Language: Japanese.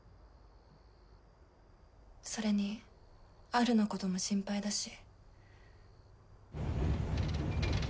それにアルのことも心配だし